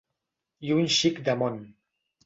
I un xic de món.